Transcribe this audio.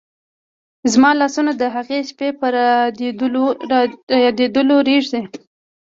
زما لاسونه د هغې شپې په رایادېدلو رېږدي.